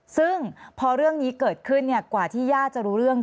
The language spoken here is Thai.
ซึ่งพอเรื่องนี้เกิดขึ้นกว่าที่ญาติจะรู้เรื่อง